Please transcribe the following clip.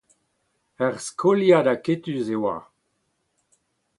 Ur skoliad aketus e oa.